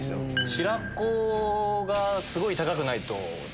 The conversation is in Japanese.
白子がすごい高くないと。